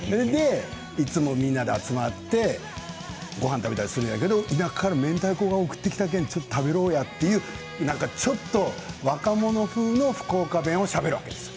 いつも、みんなで集まってごはんを食べたりするんだけど田舎からめんたいこ送ってきたけんちょっと食べようやというようにちょっと若者風の福岡弁をしゃべるんです。